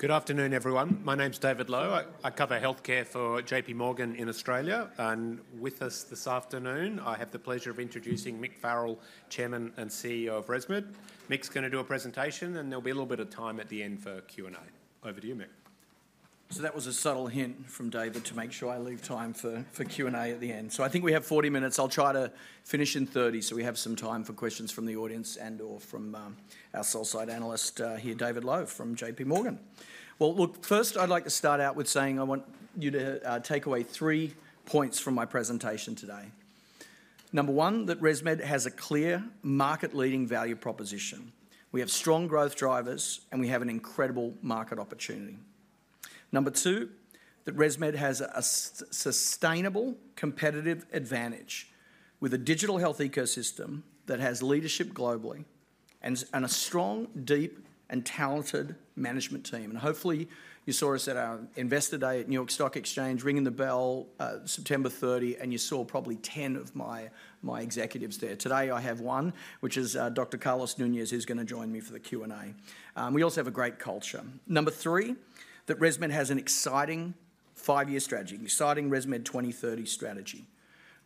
Good afternoon, everyone. My name's David Lowe. I cover healthcare for J.P. Morgan in Australia, and with us this afternoon, I have the pleasure of introducing Mick Farrell, Chairman and CEO of ResMed. Mick's going to do a presentation, and there'll be a little bit of time at the end for Q&A. Over to you, Mick. That was a subtle hint from David to make sure I leave time for Q&A at the end. I think we have 40 minutes. I'll try to finish in 30 so we have some time for questions from the audience and/or from our sell-side analyst here, David Lowe from J.P. Morgan. Look, first I'd like to start out with saying I want you to take away three points from my presentation today. Number one, that ResMed has a clear market-leading value proposition. We have strong growth drivers, and we have an incredible market opportunity. Number two, that ResMed has a sustainable competitive advantage with a digital health ecosystem that has leadership globally and a strong, deep, and talented management team. Hopefully, you saw us at our Investor Day at New York Stock Exchange, ringing the bell, September 30, and you saw probably 10 of my executives there. Today I have one, which is Dr. Carlos Nunez, who's going to join me for the Q&A. We also have a great culture. Number three, that ResMed has an exciting five-year strategy, an exciting ResMed 2030 strategy.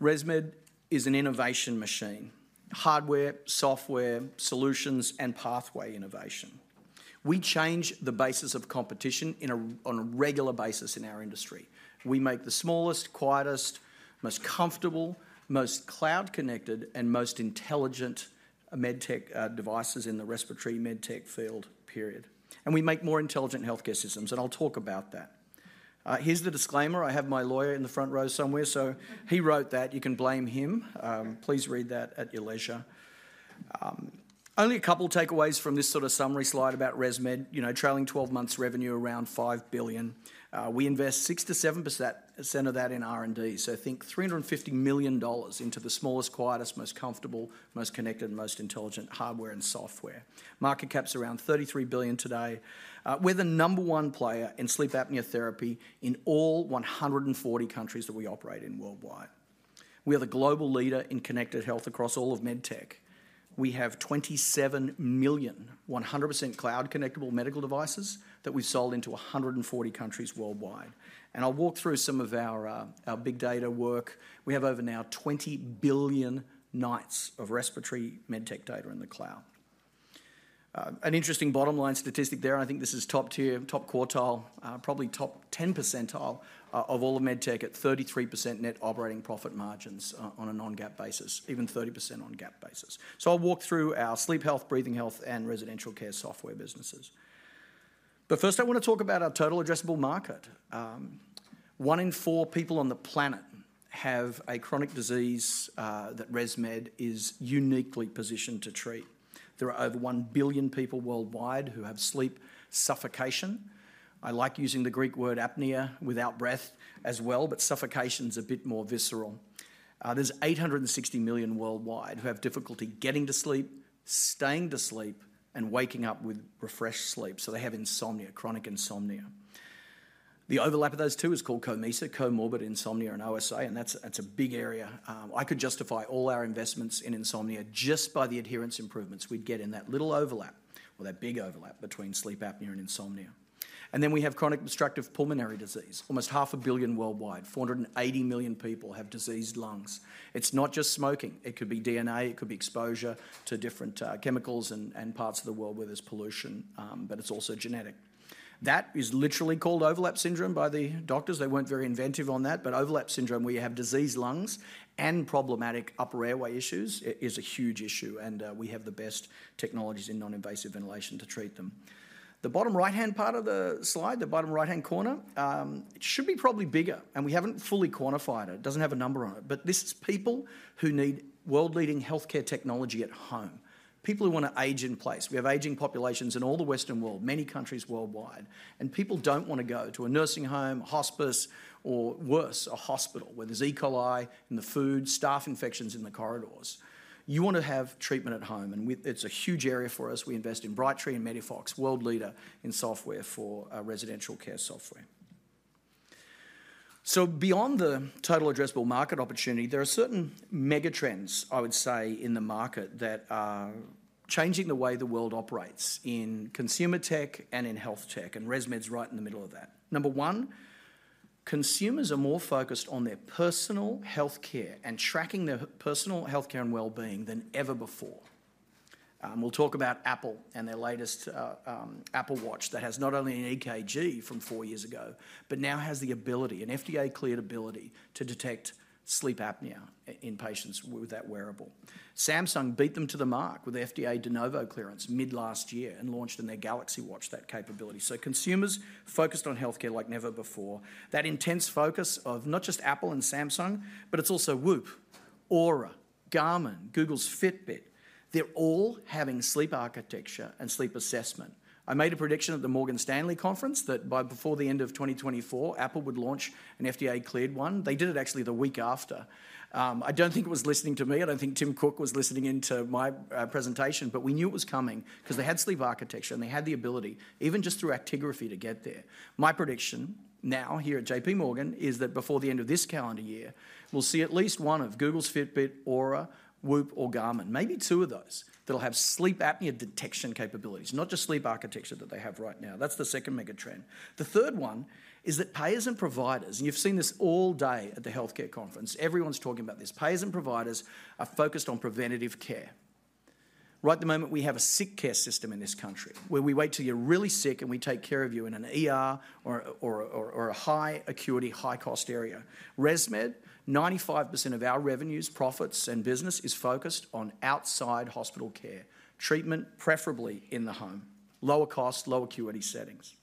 ResMed is an innovation machine: hardware, software, solutions, and pathway innovation. We change the basis of competition on a regular basis in our industry. We make the smallest, quietest, most comfortable, most cloud-connected, and most intelligent medtech devices in the respiratory medtech field, period. We make more intelligent healthcare systems, and I'll talk about that. Here's the disclaimer. I have my lawyer in the front row somewhere, so he wrote that. You can blame him. Please read that at your leisure. Only a couple of takeaways from this sort of summary slide about ResMed. You know, trailing 12 months revenue around $5 billion. We invest 6%-7% of that in R&D, so think $350 million into the smallest, quietest, most comfortable, most connected, and most intelligent hardware and software. Market cap's around $33 billion today. We're the number one player in sleep apnea therapy in all 140 countries that we operate in worldwide. We are the global leader in connected health across all of medtech. We have 27 million 100% cloud-connectable medical devices that we've sold into 140 countries worldwide, and I'll walk through some of our big data work. We have over now 20 billion nights of respiratory medtech data in the cloud. An interesting bottom-line statistic there. I think this is top tier, top quartile, probably top 10 percentile of all of medtech at 33% net operating profit margins on a non-GAAP basis, even 30% on a GAAP basis. So I'll walk through our sleep health, breathing health, and residential care software businesses. But first, I want to talk about our total addressable market. One in four people on the planet have a chronic disease that ResMed is uniquely positioned to treat. There are over 1 billion people worldwide who have sleep suffocation. I like using the Greek word apnea without breath as well, but suffocation's a bit more visceral. There's 860 million worldwide who have difficulty getting to sleep, staying to sleep, and waking up with refreshed sleep. So they have insomnia, chronic insomnia. The overlap of those two is called COMISA, comorbid insomnia and OSA, and that's a big area. I could justify all our investments in insomnia just by the adherence improvements we'd get in that little overlap, or that big overlap, between sleep apnea and insomnia. Then we have chronic obstructive pulmonary disease, almost 500 million worldwide. 480 million people have diseased lungs. It's not just smoking. It could be DNA. It could be exposure to different chemicals and parts of the world where there's pollution, but it's also genetic. That is literally called overlap syndrome by the doctors. They weren't very inventive on that. Overlap syndrome, where you have diseased lungs and problematic upper airway issues, is a huge issue, and we have the best technologies in non-invasive ventilation to treat them. The bottom right-hand part of the slide, the bottom right-hand corner, it should be probably bigger, and we haven't fully quantified it. It doesn't have a number on it. But this is people who need world-leading healthcare technology at home, people who want to age in place. We have aging populations in all the Western world, many countries worldwide, and people don't want to go to a nursing home, hospice, or worse, a hospital where there's E. coli in the food, staph infections in the corridors. You want to have treatment at home, and it's a huge area for us. We invest in Brightree and MEDIFOX DAN, world leader in software for residential care software. So beyond the total addressable market opportunity, there are certain megatrends, I would say, in the market that are changing the way the world operates in consumer tech and in health tech, and ResMed's right in the middle of that. Number one, consumers are more focused on their personal healthcare and tracking their personal healthcare and wellbeing than ever before. We'll talk about Apple and their latest Apple Watch that has not only an EKG from four years ago, but now has the ability, an FDA-cleared ability, to detect sleep apnea in patients with that wearable. Samsung beat them to the mark with the FDA de novo clearance mid-last year and launched in their Galaxy Watch that capability. So consumers focused on healthcare like never before. That intense focus of not just Apple and Samsung, but it's also Whoop, Oura, Garmin, Google's Fitbit. They're all having sleep architecture and sleep assessment. I made a prediction at the Morgan Stanley conference that by the end of 2024, Apple would launch an FDA-cleared one. They did it actually the week after. I don't think it was listening to me. I don't think Tim Cook was listening into my presentation, but we knew it was coming because they had sleep architecture and they had the ability, even just through actigraphy, to get there. My prediction now here at J.P. Morgan is that before the end of this calendar year, we'll see at least one of Google's Fitbit, Oura, Whoop, or Garmin, maybe two of those, that'll have sleep apnea detection capabilities, not just sleep architecture that they have right now. That's the second megatrend. The third one is that payers and providers, and you've seen this all day at the healthcare conference, everyone's talking about this, payers and providers are focused on preventative care. Right at the moment, we have a sick care system in this country where we wait till you're really sick, and we take care of you in an ER or a high-acuity, high-cost area. ResMed, 95% of our revenues, profits, and business is focused on outside hospital care, treatment, preferably in the home, lower-cost, low-acuity settings.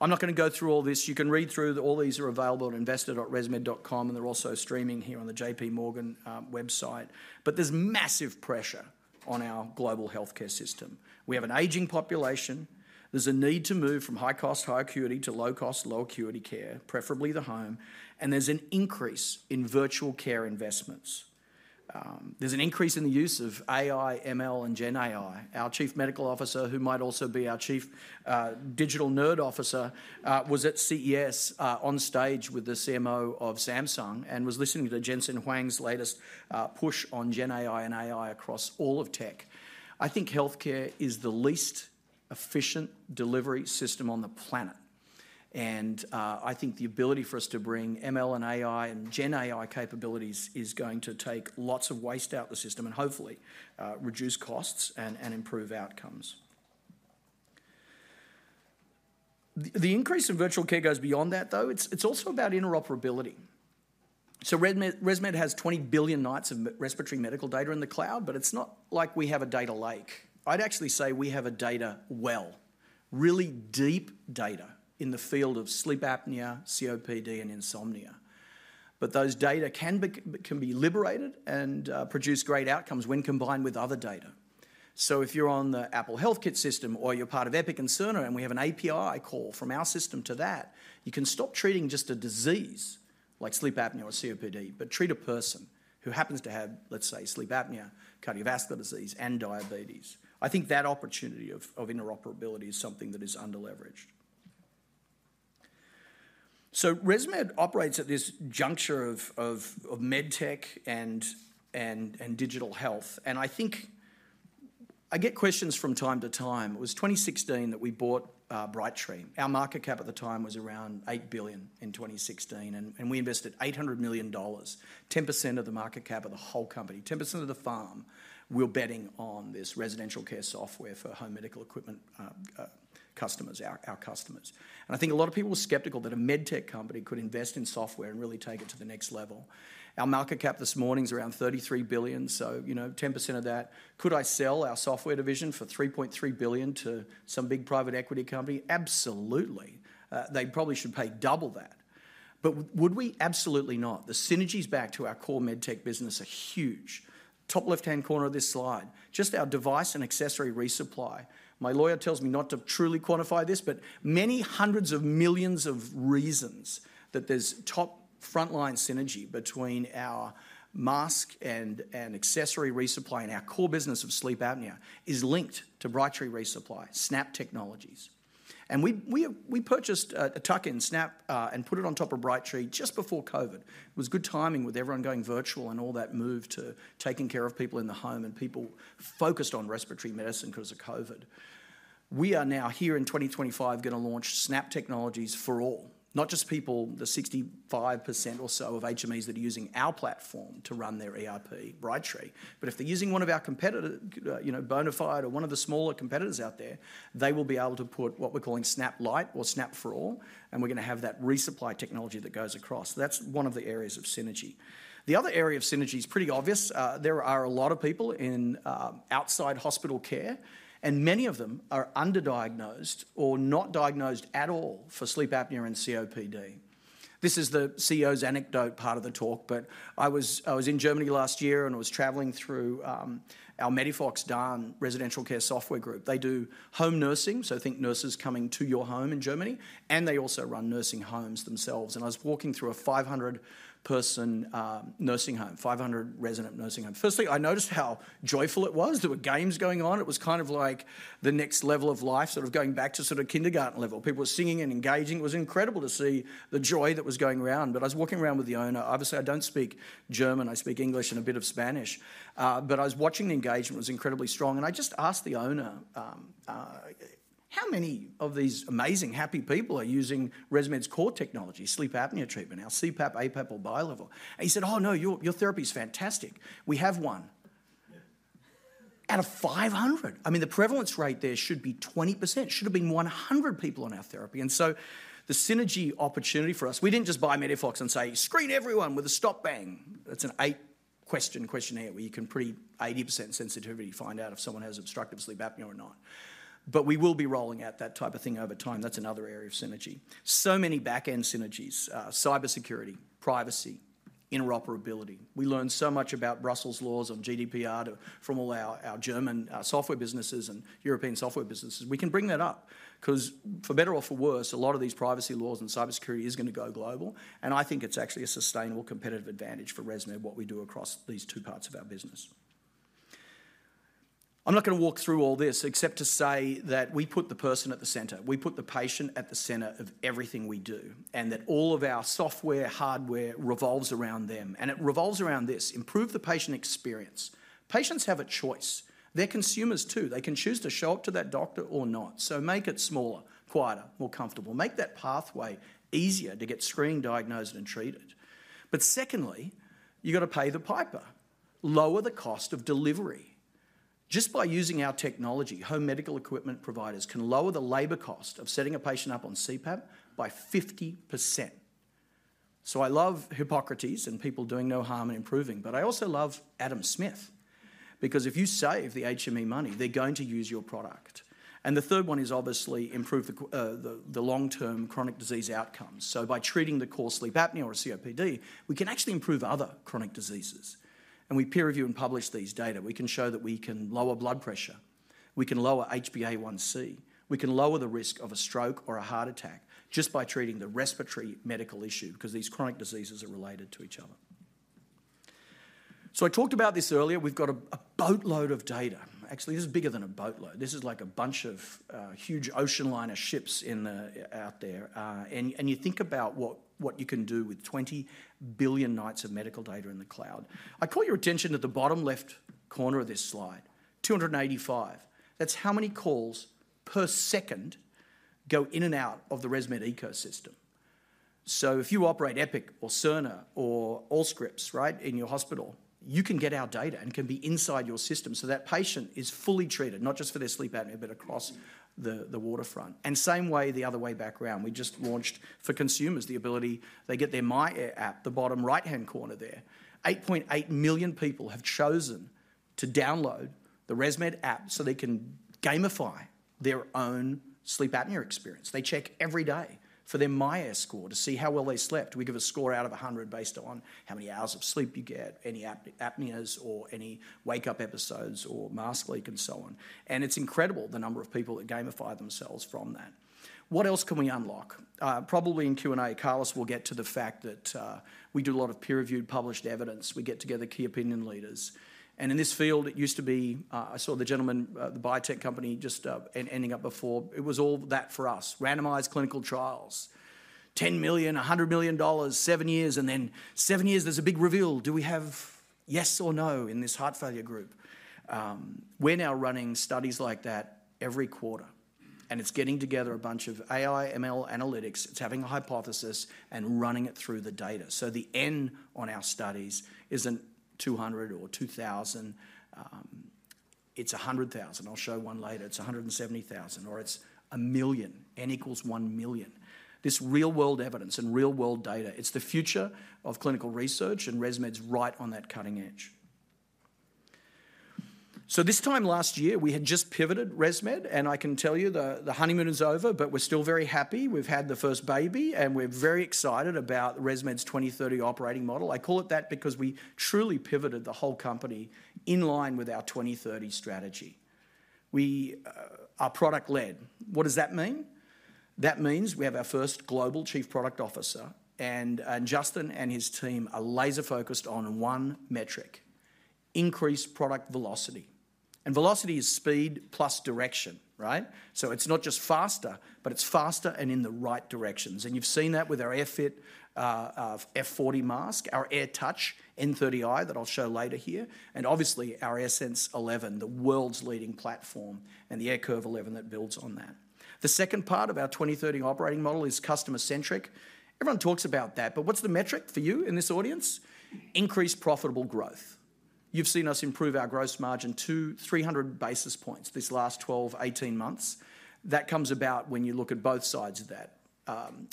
I'm not going to go through all this. You can read through all these are available at investor.resmed.com, and they're also streaming here on the J.P. Morgan website. But there's massive pressure on our global healthcare system. We have an aging population. There's a need to move from high-cost, high-acuity to low-cost, low-acuity care, preferably the home, and there's an increase in virtual care investments. There's an increase in the use of AI, ML, and GenAI. Our Chief Medical Officer, who might also be our chief digital nerd officer, was at CES on stage with the CMO of Samsung and was listening to Jensen Huang's latest push on GenAI and AI across all of tech. I think healthcare is the least efficient delivery system on the planet, and I think the ability for us to bring ML and AI and GenAI capabilities is going to take lots of waste out of the system and hopefully reduce costs and improve outcomes. The increase in virtual care goes beyond that, though. It's also about interoperability. So ResMed has 20 billion nights of respiratory medical data in the cloud, but it's not like we have a data lake. I'd actually say we have a data well, really deep data in the field of sleep apnea, COPD, and insomnia. But those data can be liberated and produce great outcomes when combined with other data. So if you're on the Apple HealthKit system or you're part of Epic and Cerner and we have an API call from our system to that, you can stop treating just a disease like sleep apnea or COPD, but treat a person who happens to have, let's say, sleep apnea, cardiovascular disease, and diabetes. I think that opportunity of interoperability is something that is underleveraged. ResMed operates at this juncture of medtech and digital health, and I think I get questions from time to time. It was 2016 that we bought Brightree. Our market cap at the time was around $8 billion in 2016, and we invested $800 million, 10% of the market cap of the whole company, 10% of the firm. We're betting on this residential care software for home medical equipment customers, our customers. I think a lot of people were skeptical that a medtech company could invest in software and really take it to the next level. Our market cap this morning's around $33 billion, so you know 10% of that. Could I sell our software division for $3.3 billion to some big private equity company? Absolutely. They probably should pay double that. But would we? Absolutely not. The synergies back to our core medtech business are huge. Top left-hand corner of this slide, just our device and accessory resupply. My lawyer tells me not to truly quantify this, but many hundreds of millions of reasons that there's top frontline synergy between our mask and accessory resupply and our core business of sleep apnea is linked to Brightree resupply, Snap Technologies. We purchased a tuck-in Snap and put it on top of Brightree just before COVID. It was good timing with everyone going virtual and all that move to taking care of people in the home and people focused on respiratory medicine because of COVID. We are now here in 2025 going to launch Snap Technologies for All, not just people, the 65% or so of HMEs that are using our platform to run their ERP, Brightree. But if they're using one of our competitors, you know, Bonafide or one of the smaller competitors out there, they will be able to put what we're calling Snap Lite or Snap for All, and we're going to have that resupply technology that goes across. That's one of the areas of synergy. The other area of synergy is pretty obvious. There are a lot of people in outside hospital care, and many of them are underdiagnosed or not diagnosed at all for sleep apnea and COPD. This is the CEO's anecdote part of the talk, but I was in Germany last year, and I was traveling through our MEDIFOX DAN residential care software group. They do home nursing, so I think nurses coming to your home in Germany, and they also run nursing homes themselves, and I was walking through a 500-person nursing home, 500-resident nursing home. Firstly, I noticed how joyful it was. There were games going on. It was kind of like the next level of life, sort of going back to sort of kindergarten level. People were singing and engaging. It was incredible to see the joy that was going around, but I was walking around with the owner. Obviously, I don't speak German. I speak English and a bit of Spanish. But I was watching the engagement. It was incredibly strong. I just asked the owner, "How many of these amazing, happy people are using ResMed's core technology, sleep apnea treatment, our CPAP, APAP, or bi-level?" He said, "Oh, no, your therapy's fantastic. We have one." Out of 500. I mean, the prevalence rate there should be 20%. It should have been 100 people on our therapy. The synergy opportunity for us, we didn't just buy MEDIFOX DAN and say, "Screen everyone with a STOP-Bang." That's an eight-question questionnaire where you can pretty 80% sensitivity find out if someone has obstructive sleep apnea or not. We will be rolling out that type of thing over time. That's another area offsynergy. Many back-end synergies, cybersecurity, privacy, interoperability. We learned so much about Brussels' laws on GDPR from all our German software businesses and European software businesses. We can bring that up because, for better or for worse, a lot of these privacy laws and cybersecurity is going to go global, and I think it's actually a sustainable competitive advantage for ResMed, what we do across these two parts of our business. I'm not going to walk through all this except to say that we put the person at the center. We put the patient at the center of everything we do, and that all of our software, hardware revolves around them, and it revolves around this: improve the patient experience. Patients have a choice. They're consumers too. They can choose to show up to that doctor or not, so make it smaller, quieter, more comfortable. Make that pathway easier to get screened, diagnosed, and treated, but secondly, you've got to pay the piper, lower the cost of delivery. Just by using our technology, home medical equipment providers can lower the labor cost of setting a patient up on CPAP by 50%. I love Hippocrates and people doing no harm and improving, but I also love Adam Smith because if you save the HME money, they're going to use your product. The third one is obviously improve the long-term chronic disease outcomes. By treating the core sleep apnea or COPD, we can actually improve other chronic diseases. We peer-review and publish these data. We can show that we can lower blood pressure. We can lower HbA1c. We can lower the risk of a stroke or a heart attack just by treating the respiratory medical issue because these chronic diseases are related to each other. I talked about this earlier. We've got a boatload of data. Actually, this is bigger than a boatload. This is like a bunch of huge ocean liner ships out there, and you think about what you can do with 20 billion nights of medical data in the cloud. I caught your attention at the bottom left corner of this slide, 285. That's how many calls per second go in and out of the ResMed ecosystem. So if you operate Epic or Cerner or Allscripts, right, in your hospital, you can get our data and can be inside your system so that patient is fully treated, not just for their sleep apnea, but across the waterfront, and same way the other way back around. We just launched for consumers the ability they get their myAir app, the bottom right-hand corner there. 8.8 million people have chosen to download the ResMed app so they can gamify their own sleep apnea experience. They check every day for their myAir score to see how well they slept. We give a score out of 100 based on how many hours of sleep you get, any apneas or any wake-up episodes or mask leak and so on. It's incredible the number of people that gamify themselves from that. What else can we unlock? Probably in Q&A, Carlos will get to the fact that we do a lot of peer-reviewed published evidence. We get together key opinion leaders. In this field, it used to be, I saw the gentleman, the biotech company just ending up before, it was all that for us, randomized clinical trials, $10 million, $100 million, seven years, and then seven years, there's a big reveal. Do we have yes or no in this heart failure group? We're now running studies like that every quarter, and it's getting together a bunch of AI/ML analytics. It's having a hypothesis and running it through the data. So the N on our studies isn't 200 or 2,000. It's 100,000. I'll show one later. It's 170,000 or it's a million. N equals 1 million. This real-world evidence and real-world data. It's the future of clinical research, and ResMed's right on that cutting edge. So this time last year, we had just pivoted ResMed, and I can tell you the honeymoon is over, but we're still very happy. We've had the first baby, and we're very excited about ResMed's 2030 operating model. I call it that because we truly pivoted the whole company in line with our 2030 strategy. We are product-led. What does that mean? That means we have our first global Chief Product Officer, and Justin and his team are laser-focused on one metric: increased product velocity. And velocity is speed plus direction, right? So it's not just faster, but it's faster and in the right directions. And you've seen that with our AirFit F40 mask, our AirTouch N30i that I'll show later here, and obviously our AirSense 11, the world's leading platform, and the AirCurve 11 that builds on that. The second part of our 2030 operating model is customer-centric. Everyone talks about that, but what's the metric for you in this audience? Increased profitable growth. You've seen us improve our gross margin to 300 basis points this last 12-18 months. That comes about when you look at both sides of that.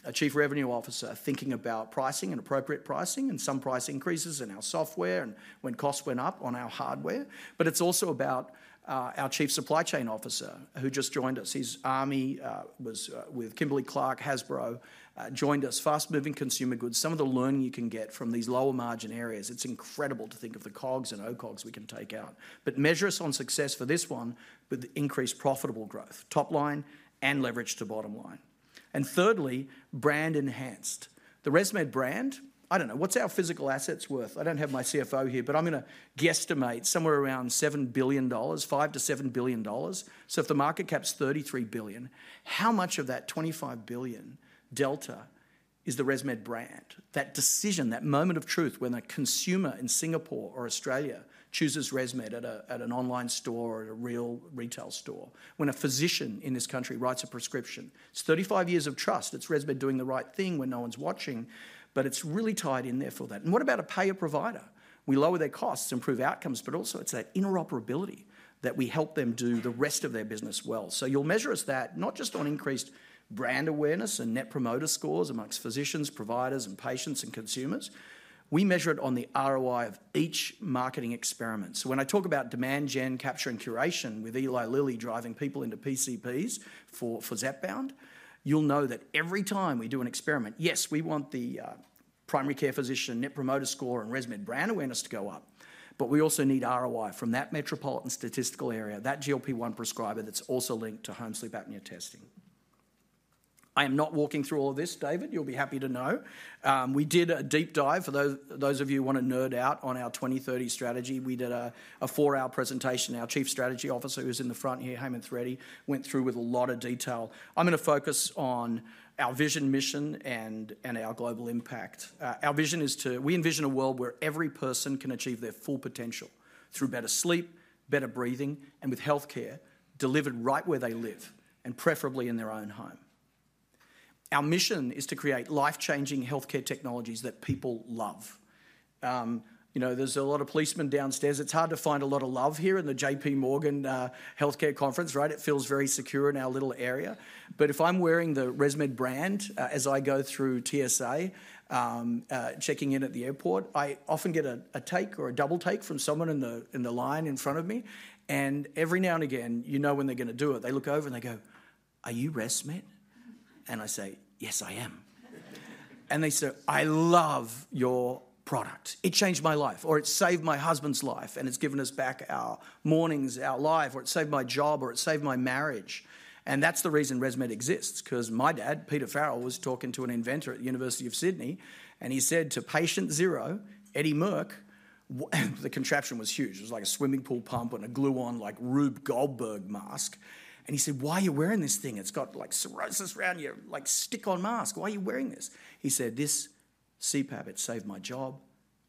A chief revenue officer thinking about pricing and appropriate pricing and some price increases in our software and when costs went up on our hardware. But it's also about our chief supply chain officer who just joined us. His army was with Kimberly-Clark, Hasbro, joined us, fast-moving consumer goods, some of the learning you can get from these lower margin areas. It's incredible to think of the COGS and O-COGS we can take out. But measure us on success for this one with increased profitable growth, top line and leverage to bottom line. And thirdly, brand-enhanced. The ResMed brand, I don't know, what's our physical assets worth? I don't have my CFO here, but I'm going to guesstimate somewhere around $7 billion, $5 billion-$7 billion. So if the market cap's $33 billion, how much of that $25 billion delta is the ResMed brand? That decision, that moment of truth when a consumer in Singapore or Australia chooses ResMed at an online store or at a real retail store, when a physician in this country writes a prescription, it's 35 years of trust. It's ResMed doing the right thing when no one's watching, but it's really tied in there for that. And what about a payer provider? We lower their costs, improve outcomes, but also it's that interoperability that we help them do the rest of their business well. So you'll measure us that not just on increased brand awareness and net promoter scores among physicians, providers, and patients and consumers. We measure it on the ROI of each marketing experiment. So when I talk about demand gen capturing curation with Eli Lilly driving people into PCPs for Zepbound, you'll know that every time we do an experiment, yes, we want the primary care physician net promoter score and ResMed brand awareness to go up, but we also need ROI from that metropolitan statistical area, that GLP-1 prescriber that's also linked to home sleep apnea testing. I am not walking through all of this, David. You'll be happy to know. We did a deep dive. For those of you who want to nerd out on our 2030 strategy, we did a four-hour presentation. Our Chief Strategy Officer, who's in the front here, Hemanth Reddy, went through with a lot of detail. I'm going to focus on our vision, mission, and our global impact. Our vision is to envision a world where every person can achieve their full potential through better sleep, better breathing, and with healthcare delivered right where they live and preferably in their own home. Our mission is to create life-changing healthcare technologies that people love. You know, there's a lot of policemen downstairs. It's hard to find a lot of love here in the J.P. Morgan Healthcare Conference, right? It feels very secure in our little area. But if I'm wearing the ResMed brand as I go through TSA, checking in at the airport, I often get a take or a double take from someone in the line in front of me. Every now and again, you know when they're going to do it. They look over and they go, "Are you ResMed?" And I say, "Yes, I am." And they say, "I love your product. It changed my life," or, "It saved my husband's life, and it's given us back our mornings, our life," or, "It saved my job," or, "It saved my marriage." And that's the reason ResMed exists, because my dad, Peter Farrell, was talking to an inventor at the University of Sydney, and he said to patient zero, Eddie Merkur, the contraption was huge. It was like a swimming pool pump and a glue-on like Rube Goldberg mask. And he said, "Why are you wearing this thing? It's got like hoses around you, like stick-on mask. Why are you wearing this?" He said, "This CPAP, it saved my job,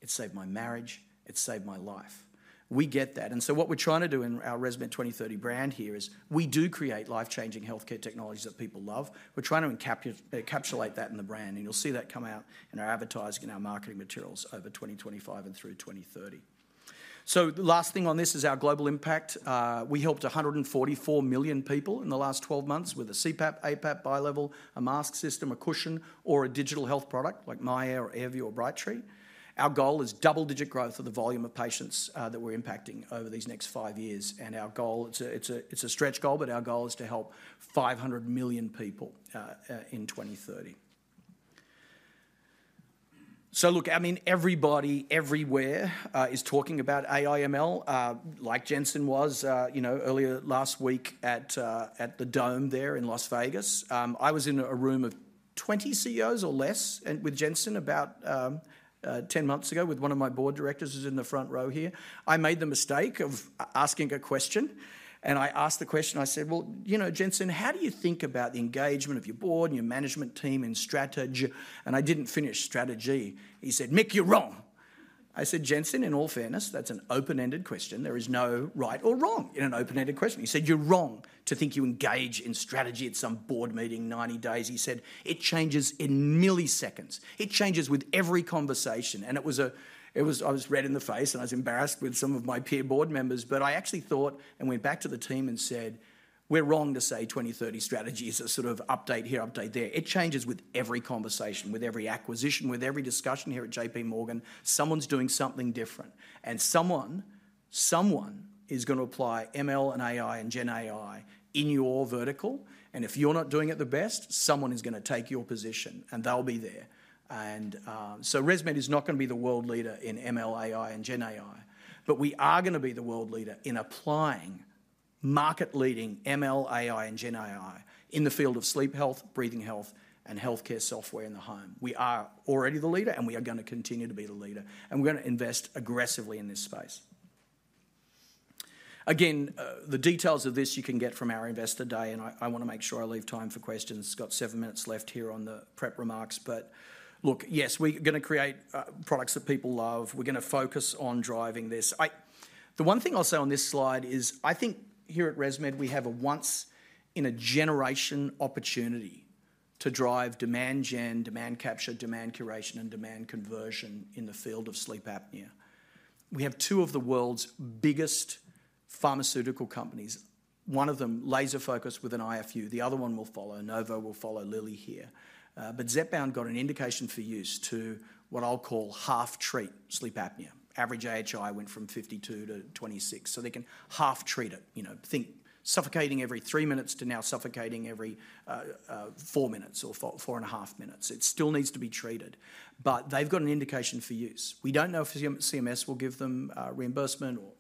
it saved my marriage, it saved my life." We get that. And so what we're trying to do in our ResMed 2030 brand here is we do create life-changing healthcare technologies that people love. We're trying to encapsulate that in the brand, and you'll see that come out in our advertising and our marketing materials over 2025 and through 2030. So the last thing on this is our global impact. We helped 144 million people in the last 12 months with a CPAP, APAP, bi-level, a mask system, a cushion, or a digital health product like myAir or AirView or Brightree. Our goal is double-digit growth of the volume of patients that we're impacting over these next five years. And our goal, it's a stretch goal, but our goal is to help 500 million people in 2030. So look, I mean, everybody everywhere is talking about AI/ML, like Jensen was earlier last week at the Dome there in Las Vegas. I was in a room of 20 CEOs or less with Jensen about 10 months ago with one of my board directors who's in the front row here. I made the mistake of asking a question, and I asked the question. I said, "Well, you know, Jensen, how do you think about the engagement of your board and your management team in strategy?" And I didn't finish strategy. He said, "Mick, you're wrong." I said, "Jensen, in all fairness, that's an open-ended question. There is no right or wrong in an open-ended question." He said, "You're wrong to think you engage in strategy at some board meeting 90 days." He said, "It changes in milliseconds. It changes with every conversation." And I was red in the face, and I was embarrassed with some of my peer board members, but I actually thought and went back to the team and said, "We're wrong to say 2030 strategy is a sort of update here, update there. It changes with every conversation, with every acquisition, with every discussion here at J.P. Morgan. Someone's doing something different, and someone is going to apply ML and AI and GenAI in your vertical. And if you're not doing it the best, someone is going to take your position, and they'll be there." And so ResMed is not going to be the world leader in ML, AI, and GenAI, but we are going to be the world leader in applying market-leading ML, AI, and GenAI in the field of sleep health, breathing health, and healthcare software in the home. We are already the leader, and we are going to continue to be the leader, and we're going to invest aggressively in this space. Again, the details of this you can get from our investor day, and I want to make sure I leave time for questions. It's got seven minutes left here on the prep remarks. But look, yes, we're going to create products that people love. We're going to focus on driving this. The one thing I'll say on this slide is I think here at ResMed, we have a once-in-a-generation opportunity to drive demand gen, demand capture, demand curation, and demand conversion in the field of sleep apnea. We have two of the world's biggest pharmaceutical companies. One of them laser-focused with an IFU. The other one will follow. Novo will follow Lilly here. But Zepbound got an indication for use to what I'll call half-treat sleep apnea. Average AHI went from 52 to 26. So they can half-treat it. You know, think suffocating every three minutes to now suffocating every four minutes or four and a half minutes. It still needs to be treated, but they've got an indication for use. We don't know if CMS will give them reimbursement or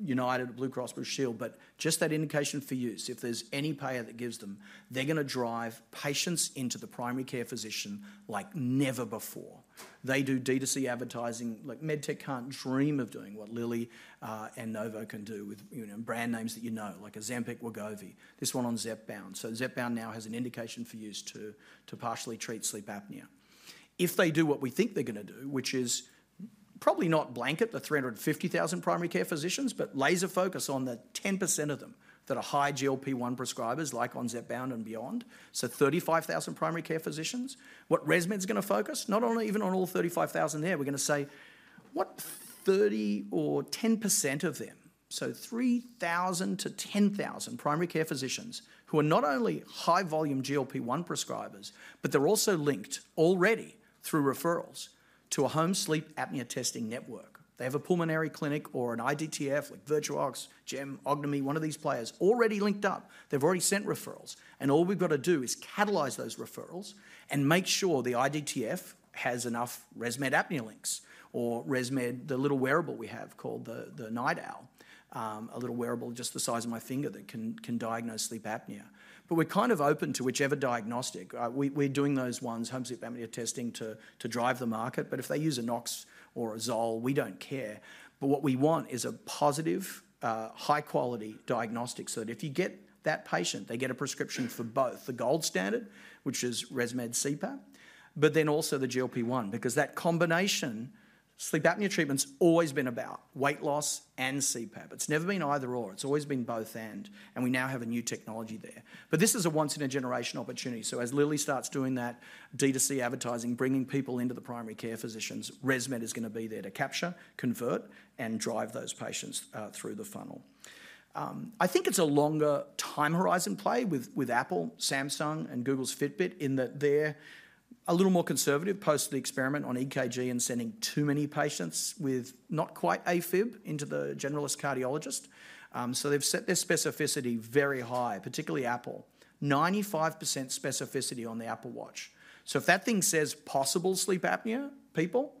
United, Blue Cross Blue Shield, but just that indication for use. If there's any payer that gives them, they're going to drive patients into the primary care physician like never before. They do D2C advertising. Like MedTech can't dream of doing what Lilly and Novo can do with brand names that you know, like Ozempic, Wegovy, this one on Zepbound. So Zepbound now has an indication for use to partially treat sleep apnea. If they do what we think they're going to do, which is probably not blanket the 350,000 primary care physicians, but laser-focus on the 10% of them that are high GLP-1 prescribers like on Zepbound and beyond, so 35,000 primary care physicians, what ResMed's going to focus, not even on all 35,000 there, we're going to say what 30 or 10% of them, so 3,000 to 10,000 primary care physicians who are not only high-volume GLP-1 prescribers, but they're also linked already through referrals to a home sleep apnea testing network. They have a pulmonary clinic or an IDTF like VirtuOx, Gem, Ognomy, one of these players already linked up. They've already sent referrals, and all we've got to do is catalyze those referrals and make sure the IDTF has enough ResMed ApneaLinks or ResMed, the little wearable we have called the NightOwl, a little wearable just the size of my finger that can diagnose sleep apnea. But we're kind of open to whichever diagnostic. We're doing those ones, home sleep apnea testing to drive the market, but if they use a Nox or a ZOLL, we don't care. But what we want is a positive, high-quality diagnostic so that if you get that patient, they get a prescription for both the gold standard, which is ResMed CPAP, but then also the GLP-1, because that combination, sleep apnea treatment's always been about weight loss and CPAP. It's never been either/or. It's always been both/and, and we now have a new technology there. But this is a once-in-a-generation opportunity. So as Lilly starts doing that D2C advertising, bringing people into the primary care physicians, ResMed is going to be there to capture, convert, and drive those patients through the funnel. I think it's a longer time horizon play with Apple, Samsung, and Google's Fitbit in that they're a little more conservative post the experiment on EKG and sending too many patients with not quite AFib into the generalist cardiologist. So they've set their specificity very high, particularly Apple, 95% specificity on the Apple Watch. So if that thing says possible sleep apnea, people,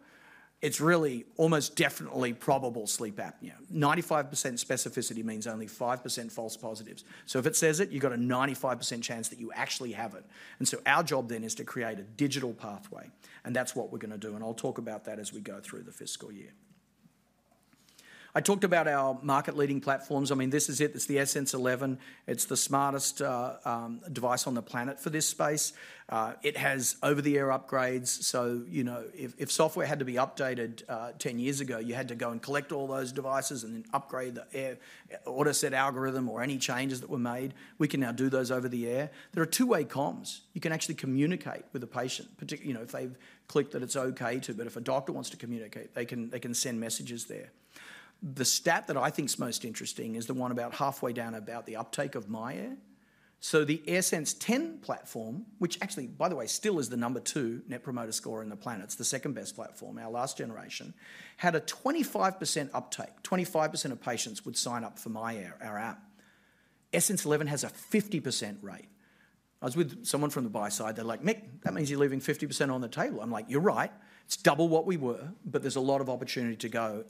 it's really almost definitely probable sleep apnea. 95% specificity means only 5% false positives. So if it says it, you've got a 95% chance that you actually have it. And so our job then is to create a digital pathway, and that's what we're going to do. And I'll talk about that as we go through the fiscal year. I talked about our market-leading platforms. I mean, this is it. It's the AirSense 11. It's the smartest device on the planet for this space. It has over-the-air upgrades. So if software had to be updated 10 years ago, you had to go and collect all those devices and then upgrade the AutoSet algorithm or any changes that were made. We can now do those over the air. There are two-way comms. You can actually communicate with a patient, particularly if they've clicked that it's okay to, but if a doctor wants to communicate, they can send messages there. The stat that I think's most interesting is the one about halfway down about the uptake of myAir. So the AirSense 10 platform, which actually, by the way, still is the number two net promoter score in the planet. It's the second-best platform. Our last generation had a 25% uptake. 25% of patients would sign up for myAir, our app. AirSense 11 has a 50% rate. I was with someone from the buy side. They're like, "Mick, that means you're leaving 50% on the table." I'm like, "You're right. It's double what we were, but there's a lot of opportunity to go."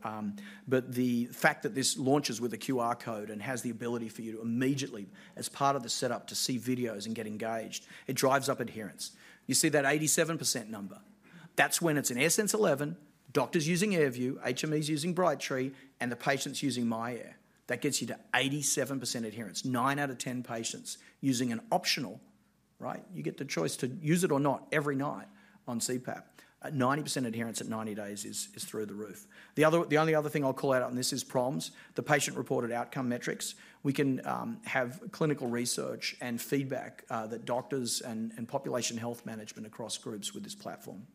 But the fact that this launches with a QR code and has the ability for you to immediately, as part of the setup, to see videos and get engaged, it drives up adherence. You see that 87% number. That's when it's an AirSense 11, doctors using AirView, HMEs using Brightree, and the patients using myAir. That gets you to 87% adherence. Nine out of ten patients using an optional, right? You get the choice to use it or not every night on CPAP. 90% adherence at 90 days is through the roof. The only other thing I'll call out on this is PROMs, the Patient-Reported Outcome Measures. We can have clinical research and feedback that doctors and population health management across groups with this platform.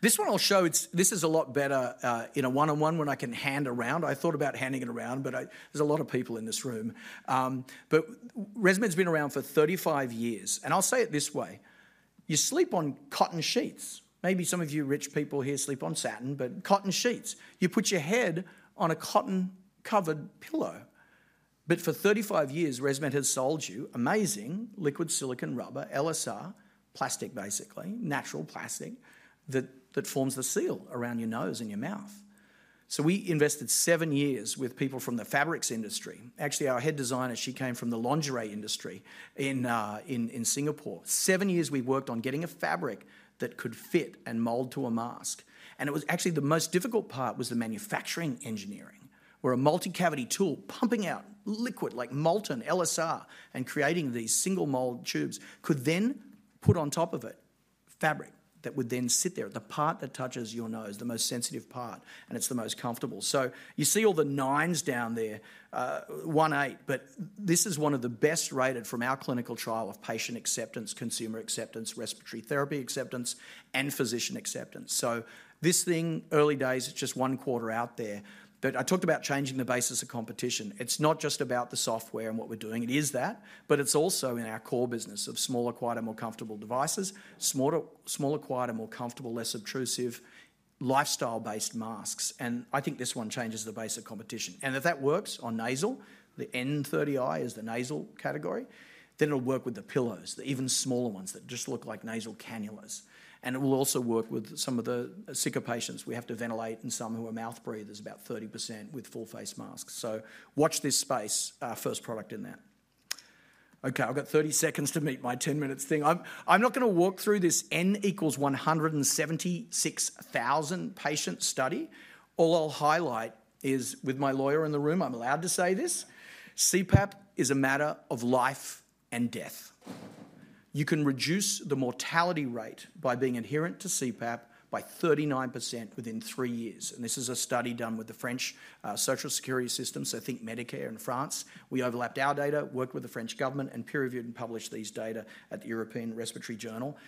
This one I'll show, this is a lot better in a one-on-one when I can hand around. I thought about handing it around, but there's a lot of people in this room. But ResMed's been around for 35 years, and I'll say it this way. You sleep on cotton sheets. Maybe some of you rich people here sleep on satin, but cotton sheets. You put your head on a cotton-covered pillow. But for 35 years, ResMed has sold you amazing liquid silicone rubber, LSR, plastic, basically, natural plastic that forms the seal around your nose and your mouth. So we invested seven years with people from the fabrics industry. Actually, our head designer, she came from the lingerie industry in Singapore. Seven years we worked on getting a fabric that could fit and mold to a mask. And it was actually the most difficult part was the manufacturing engineering, where a multicavity tool pumping out liquid like molten LSR and creating these single-mold tubes could then put on top of it fabric that would then sit there, the part that touches your nose, the most sensitive part, and it's the most comfortable. So you see all the nines down there, 18, but this is one of the best rated from our clinical trial of patient acceptance, consumer acceptance, respiratory therapy acceptance, and physician acceptance. So this thing, early days, it's just one quarter out there. But I talked about changing the basis of competition. It's not just about the software and what we're doing. It is that, but it's also in our core business of smaller, quieter, more comfortable devices, smaller, quieter, more comfortable, less obtrusive, lifestyle-based masks. And I think this one changes the base of competition. And if that works on nasal, the N30i is the nasal category, then it'll work with the pillows, the even smaller ones that just look like nasal cannulas. And it will also work with some of the sicker patients. We have to ventilate in some who are mouth breathers about 30% with full-face masks. So watch this space, our first product in that. Okay, I've got 30 seconds to meet my 10-minute thing. I'm not going to walk through this N equals 176,000 patient study. All I'll highlight is, with my lawyer in the room, I'm allowed to say this. CPAP is a matter of life and death. You can reduce the mortality rate by being adherent to CPAP by 39% within three years. This is a study done with the French social security systems, so I think Medicare in France. We overlapped our data, worked with the French government, and peer-reviewed and published these data at the European Respiratory Journal.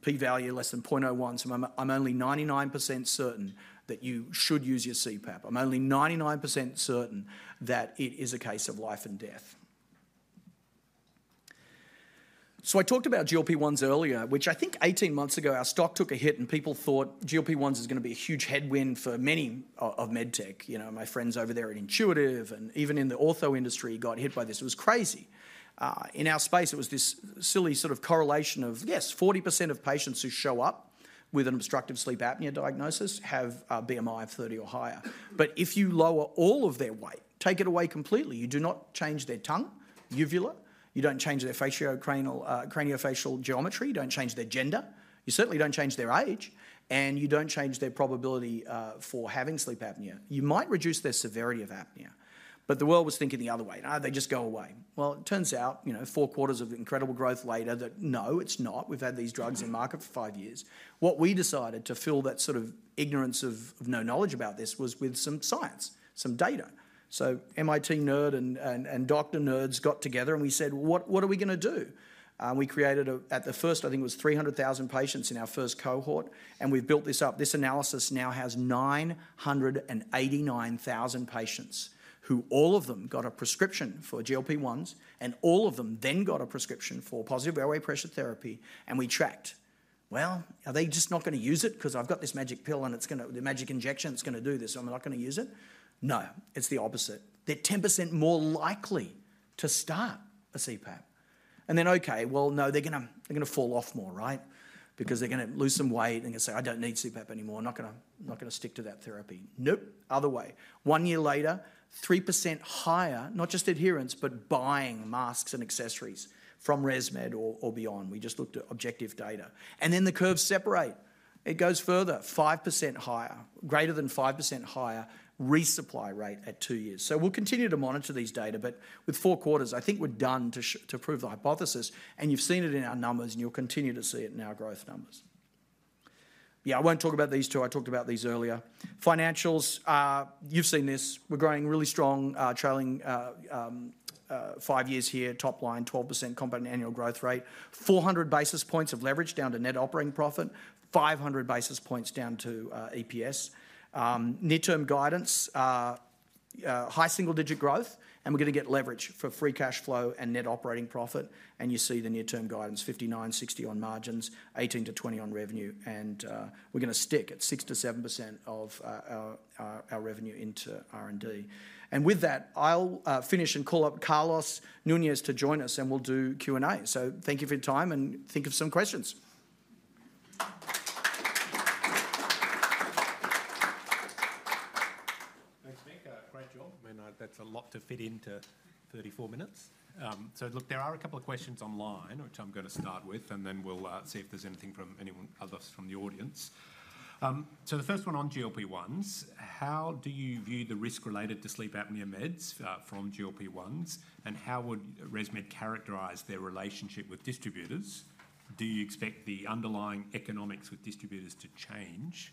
P-value less than 0.01, so I'm only 99% certain that you should use your CPAP. I'm only 99% certain that it is a case of life and death. I talked about GLP-1s earlier, which I think 18 months ago, our stock took a hit and people thought GLP-1s is going to be a huge headwind for many of MedTech. My friends over there at Intuitive and even in the ortho industry got hit by this. It was crazy. In our space, it was this silly sort of correlation of, yes, 40% of patients who show up with an obstructive sleep apnea diagnosis have a BMI of 30 or higher. But if you lower all of their weight, take it away completely, you do not change their tongue, uvula, you don't change their facial craniofacial geometry, you don't change their gender, you certainly don't change their age, and you don't change their probability for having sleep apnea, you might reduce their severity of apnea. But the world was thinking the other way. They just go away. Well, it turns out, four quarters of incredible growth later that, no, it's not. We've had these drugs in market for five years. What we decided to fill that sort of ignorance of no knowledge about this was with some science, some data, so MIT nerd and doctor nerds got together and we said, "What are we going to do?" We created, at the first, I think it was 300,000 patients in our first cohort, and we've built this up. This analysis now has 989,000 patients who all of them got a prescription for GLP-1s and all of them then got a prescription for positive airway pressure therapy, and we tracked, well, are they just not going to use it because I've got this magic pill and it's going to, the magic injection's going to do this, so I'm not going to use it? No, it's the opposite. They're 10% more likely to start a CPAP, and then, okay, well, no, they're going to fall off more, right? Because they're going to lose some weight and they're going to say, "I don't need CPAP anymore. I'm not going to stick to that therapy." Nope. Other way. One year later, 3% higher, not just adherence, but buying masks and accessories from ResMed or beyond. We just looked at objective data. And then the curves separate. It goes further, 5% higher, greater than 5% higher resupply rate at two years. So we'll continue to monitor these data, but with four quarters, I think we're done to prove the hypothesis, and you've seen it in our numbers and you'll continue to see it in our growth numbers. Yeah, I won't talk about these two. I talked about these earlier. Financials, you've seen this. We're growing really strong, trailing five years here, top line, 12% compound annual growth rate, 400 basis points of leverage down to net operating profit, 500 basis points down to EPS. Near-term guidance, high single-digit growth, and we're going to get leverage for free cash flow and net operating profit, and you see the near-term guidance, 59-60% on margins, 18-20% on revenue, and we're going to stick at 6-7% of our revenue into R&D. With that, I'll finish and call up Carlos Nunez to join us, and we'll do Q&A. So thank you for your time and think of some questions. Thanks, Mick. Great job. I mean, that's a lot to fit into 34 minutes. So look, there are a couple of questions online, which I'm going to start with, and then we'll see if there's anything from anyone of us from the audience. So the first one on GLP-1s, how do you view the risk related to sleep apnea meds from GLP-1s, and how would ResMed characterize their relationship with distributors? Do you expect the underlying economics with distributors to change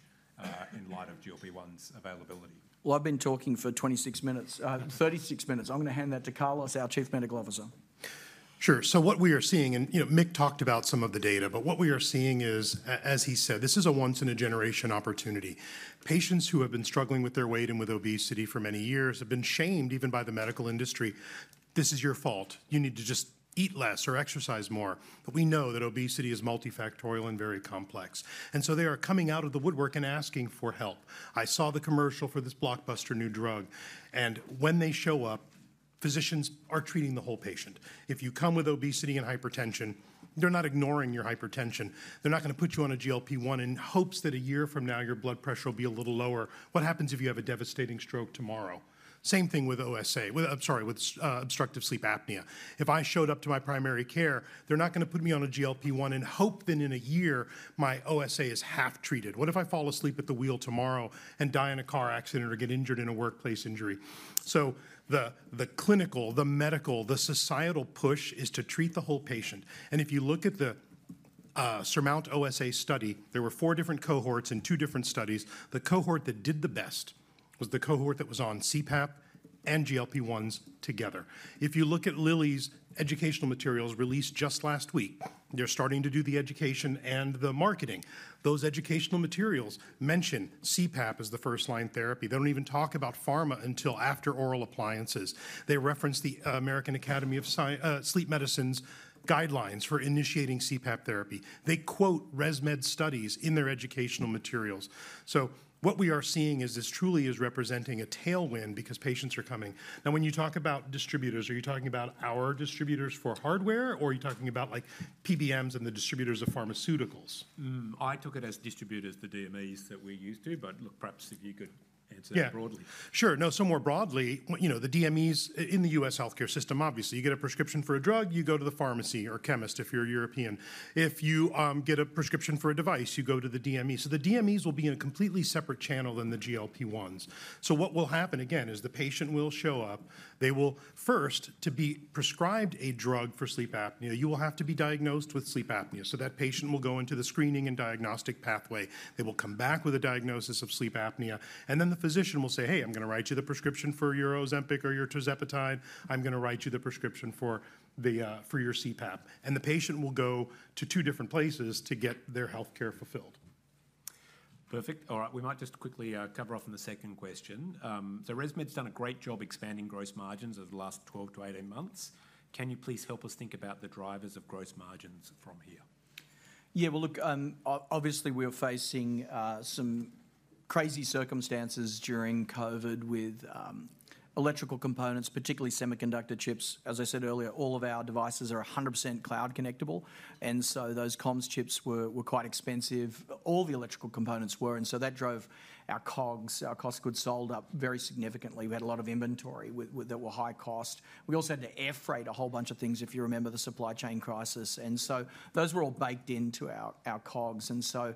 in light of GLP-1s availability? I've been talking for 26 minutes, 36 minutes. I'm going to hand that to Carlos, our Chief Medical Officer. Sure. So what we are seeing, and Mick talked about some of the data, but what we are seeing is, as he said, this is a once-in-a-generation opportunity. Patients who have been struggling with their weight and with obesity for many years have been shamed even by the medical industry. This is your fault. You need to just eat less or exercise more. But we know that obesity is multifactorial and very complex. And so they are coming out of the woodwork and asking for help. I saw the commercial for this blockbuster new drug. And when they show up, physicians are treating the whole patient. If you come with obesity and hypertension, they're not ignoring your hypertension. They're not going to put you on a GLP-1 in hopes that a year from now, your blood pressure will be a little lower. What happens if you have a devastating stroke tomorrow? Same thing with OSA, sorry, with obstructive sleep apnea. If I showed up to my primary care, they're not going to put me on a GLP-1 and hope that in a year my OSA is half treated. What if I fall asleep at the wheel tomorrow and die in a car accident or get injured in a workplace injury? So the clinical, the medical, the societal push is to treat the whole patient. If you look at the SURMOUNT-OSA study, there were four different cohorts in two different studies. The cohort that did the best was the cohort that was on CPAP and GLP-1s together. If you look at Lilly's educational materials released just last week, they're starting to do the education and the marketing. Those educational materials mention CPAP as the first-line therapy. They don't even talk about pharma until after oral appliances. They reference the American Academy of Sleep Medicine's guidelines for initiating CPAP therapy. They quote ResMed studies in their educational materials. So what we are seeing is this truly is representing a tailwind because patients are coming. Now, when you talk about distributors, are you talking about our distributors for hardware, or are you talking about PBMs and the distributors of pharmaceuticals? I took it as distributors, the DMEs that we're used to, but look, perhaps if you could answer that broadly. Yeah. Sure. No, so more broadly, the DMEs in the U.S. healthcare system, obviously, you get a prescription for a drug, you go to the pharmacy or chemist if you're European. If you get a prescription for a device, you go to the DME. So the DMEs will be in a completely separate channel than the GLP-1s. So what will happen, again, is the patient will show up. They will first, to be prescribed a drug for sleep apnea, you will have to be diagnosed with sleep apnea. So that patient will go into the screening and diagnostic pathway. They will come back with a diagnosis of sleep apnea. And then the physician will say, "Hey, I'm going to write you the prescription for your Ozempic or your tirzepatide. I'm going to write you the prescription for your CPAP," and the patient will go to two different places to get their healthcare fulfilled. Perfect. All right. We might just quickly cover off on the second question. So ResMed's done a great job expanding gross margins over the last 12-18 months. Can you please help us think about the drivers of gross margins from here? Yeah, well, look, obviously, we were facing some crazy circumstances during COVID with electrical components, particularly semiconductor chips. As I said earlier, all of our devices are 100% cloud connectable. And so those comms chips were quite expensive. All the electrical components were. And so that drove our COGS, our cost of goods sold up very significantly. We had a lot of inventory that were high cost. We also had to air freight a whole bunch of things, if you remember the supply chain crisis. And so those were all baked into our COGS. And so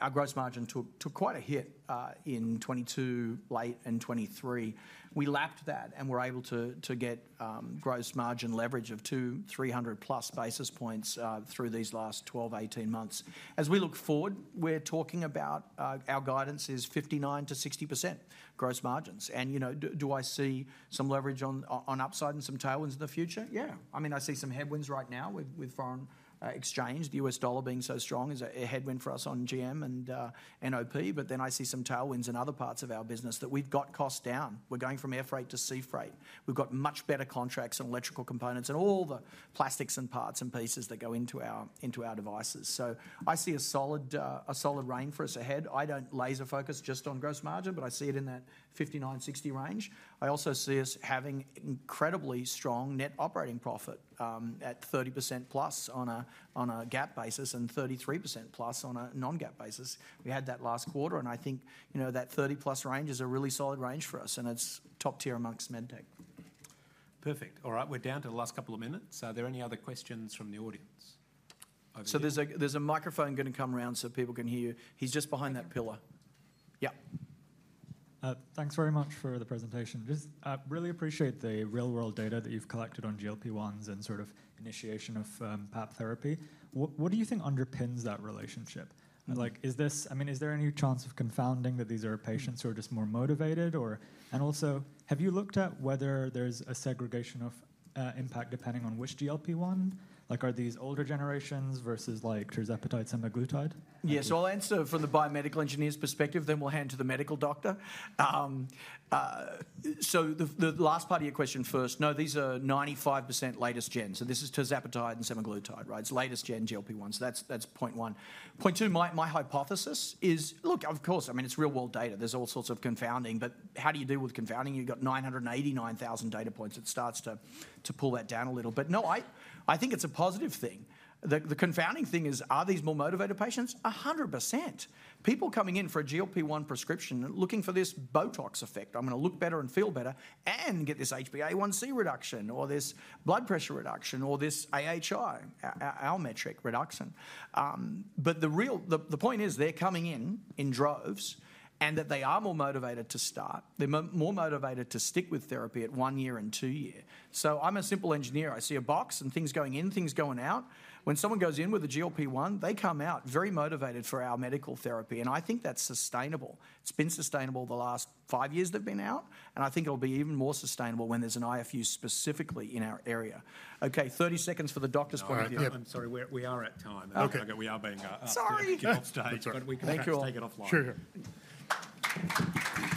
our gross margin took quite a hit in 2022, late in 2023. We lapped that and were able to get gross margin leverage of 2,300 plus basis points through these last 12-18 months. As we look forward, we're talking about our guidance is 59%-60% gross margins. And do I see some leverage on upside and some tailwinds in the future? Yeah. I mean, I see some headwinds right now with foreign exchange. The U.S. dollar being so strong is a headwind for us on GM and NOP. But then I see some tailwinds in other parts of our business that we've got costs down. We're going from air freight to sea freight. We've got much better contracts on electrical components and all the plastics and parts and pieces that go into our devices. So I see a solid rein for us ahead. I don't laser focus just on gross margin, but I see it in that 59-60 range. I also see us having incredibly strong net operating profit at 30% plus on a GAAP basis and 33% plus on a non-GAAP basis. We had that last quarter, and I think that 30 plus range is a really solid range for us, and it's top tier amongst MedTech. Perfect. All right. We're down to the last couple of minutes. Are there any other questions from the audience? So there's a microphone going to come around so people can hear you. He's just behind that pillar. Yeah. Thanks very much for the presentation. Just really appreciate the real-world data that you've collected on GLP-1s and sort of initiation of PAP therapy. What do you think underpins that relationship? I mean, is there any chance of confounding that these are patients who are just more motivated? And also, have you looked at whether there's a segregation of impact depending on which GLP-1? Are these older generations versus Tirzepatide, semaglutide? Yeah, so I'll answer from the biomedical engineer's perspective, then we'll hand to the medical doctor. So the last part of your question first, no, these are 95% latest gen. So this is Tirzepatide and Semaglutide, right? It's latest gen GLP-1. So that's point one. Point two, my hypothesis is, look, of course, I mean, it's real-world data. There's all sorts of confounding, but how do you deal with confounding? You've got 989,000 data points. It starts to pull that down a little. But no, I think it's a positive thing. The confounding thing is, are these more motivated patients? 100%. People coming in for a GLP-1 prescription looking for this Botox effect. I'm going to look better and feel better and get this HbA1c reduction or this blood pressure reduction or this AHI, our metric, reduction. But the point is they're coming in in droves and that they are more motivated to start. They're more motivated to stick with therapy at one year and two year. So I'm a simple engineer. I see a box and things going in, things going out. When someone goes in with a GLP-1, they come out very motivated for our medical therapy. And I think that's sustainable. It's been sustainable the last five years they've been out, and I think it'll be even more sustainable when there's an IFU specifically in our area. Okay, 30 seconds for the doctor's point of view. I'm sorry, we are at time. We are being upstaged, but we can take it offline. Thank you. Sure.